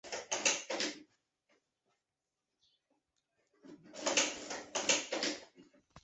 奥恩河畔欧努人口变化图示